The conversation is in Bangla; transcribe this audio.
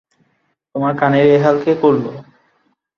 তোমার কানের এ হাল কে করলো?